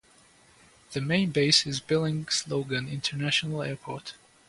Its main base is Billings Logan International Airport.